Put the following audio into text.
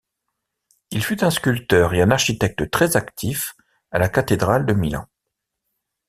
Il fut un sculpteur et un architecte très actif à la cathédrale de Milan.